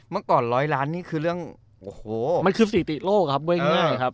เมื่อก่อนร้อยล้านนี่คือเรื่องโอ้โหมันคือสถิติโลกครับว่าง่ายครับ